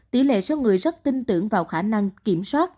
tỷ lệ số người rất tin tưởng vào khả năng kiểm soát